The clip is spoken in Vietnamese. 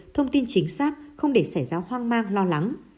thông tin chính xác không để xảy ra hoang mang lo lắng